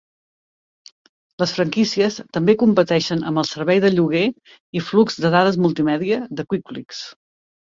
Les franquícies també competeixen amb el servei de lloguer i flux de dades multimèdia de Quickflix.